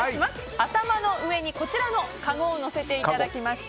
頭の上にこちらのかごを載せていただきまして